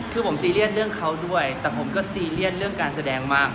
คือผมซีเรียสเรื่องเขาด้วยแต่ผมก็ซีเรียสเรื่องการแสดงมาก